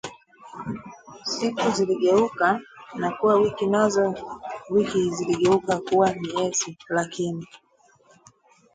Siku ziligeuka na kuwa wiki nazo wiki kugeuka na kuwa miezi lakini